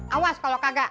awas kalau kagak